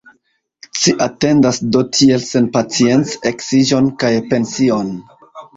Ci atendas do tiel senpacience eksiĝon kaj pension!